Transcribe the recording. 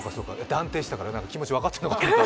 断定したから気持ち分かったのかと思った。